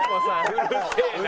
うるせえな！